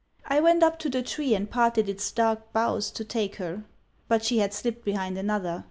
I went up to the tree and parted its dark boughs to take her; but she had slipped behind another.